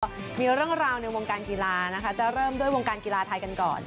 ก็มีเรื่องราวในวงการกีฬานะคะจะเริ่มด้วยวงการกีฬาไทยกันก่อน